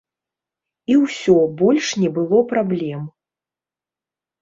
І ўсё, больш не было праблем.